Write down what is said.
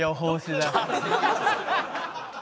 ハハハハ！